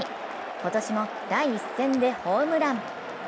今年も第１戦でホームラン。